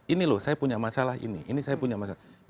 ini loh saya punya masalah ini ini saya punya masalah